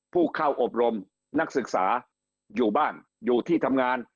ผู้เข้าอบรมนักศึกษาอยู่บ้านอยู่ที่ทำงาน